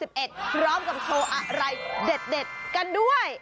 พร้อมกับโชว์อะไรเด็ดกันด้วย